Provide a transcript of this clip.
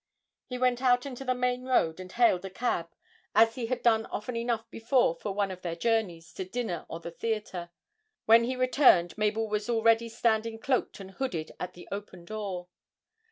He went out into the main road and hailed a cab, as he had done often enough before for one of their journeys to dinner or the theatre; when he returned Mabel was already standing cloaked and hooded at the open door.